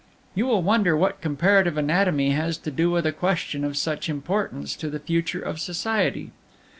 "You will wonder what comparative anatomy has to do with a question of such importance to the future of society.